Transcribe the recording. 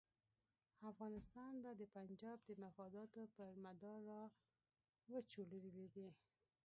افغانستان به د پنجاب د مفاداتو پر مدار را وچورلېږي.